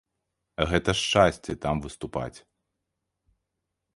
Гэта шчасце там выступаць.